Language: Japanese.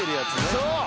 「そう」